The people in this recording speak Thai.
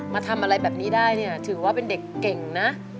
มาทำอะไรแบบนี้ได้เนี่ยถือว่าเป็นเด็กเก่งนะ